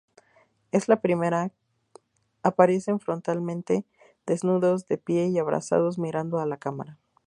En la primera aparecen frontalmente, desnudos, de pie y abrazados, mirando a la cámara.